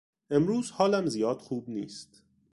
امروز حالم زیاد خوب نیست.